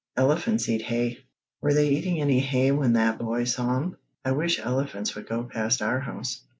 Elephants eat hay. Were they eating any hay when that boy saw 'em? I wish elephants would go past our house."